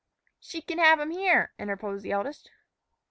"She can have 'em here," interposed the eldest.